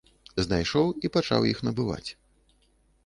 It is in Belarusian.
Знайшоў і пачаў іх набываць.